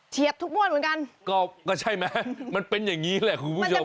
ทุกม้วนเหมือนกันก็ใช่ไหมมันเป็นอย่างนี้แหละคุณผู้ชม